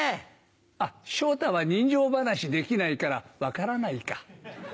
あっ昇太は人情噺できないから分からないか。